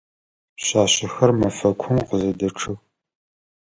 Пшъашъэхэр мэфэкум къызэдэчъэх.